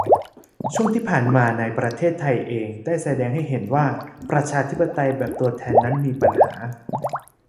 ช่วงที่ผ่านมาในประเทศไทยเอง ได้แสดงให้เห็นว่าประชาธิปไตยแบบตัวแทนนั้นมีปัญหา